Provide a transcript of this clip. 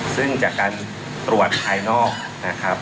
ซึ่งจากการตรวจภายนอกนะครับ